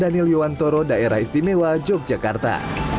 daniel yuwantoro daerah istimewa yogyakarta